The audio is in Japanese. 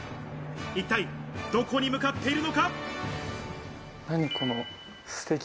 一体どこに向かっているのか？